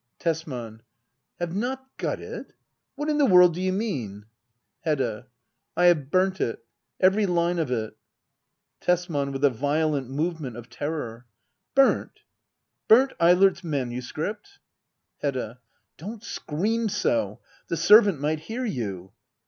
Tesman. Have not got it ? What in the world do you mean.^ Hedda. I have burnt it — every line of it. Tesman. iWUk a violent movement of terror,] Burnt ! Burnt ert's manuscript ! Hedda. Don't scream so. The servant might hear you.